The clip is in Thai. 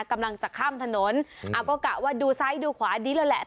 กำลังจะข้ามถนนเอาก็กะว่าดูซ้ายดูขวาดีแล้วแหละ